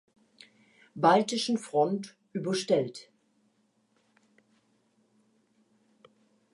Baltischen Front überstellt.